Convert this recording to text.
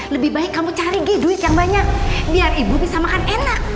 lebih baik kamu cari duit yang banyak biar ibu bisa makan enak